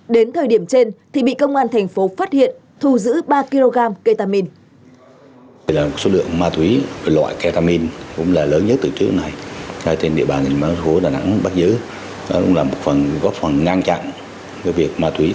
đến thời điểm trên thì bị công an thành phố phát hiện thu giữ ba kg ketamin